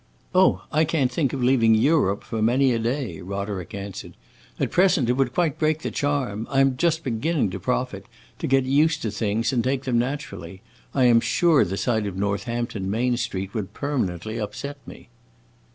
"Oh, I can't think of leaving Europe, for many a day," Roderick answered. "At present it would quite break the charm. I am just beginning to profit, to get used to things and take them naturally. I am sure the sight of Northampton Main Street would permanently upset me."